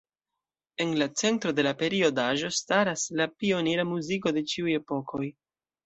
En la centro de la periodaĵo staras la pionira muziko de ĉiuj epokoj.